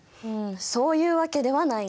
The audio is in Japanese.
そういうわけではないんだ。